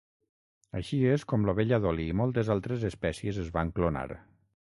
Així és com l'ovella Dolly i moltes altres espècies es van clonar.